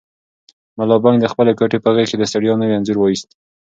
ملا بانګ د خپلې کوټې په غېږ کې د ستړیا نوی انځور وایست.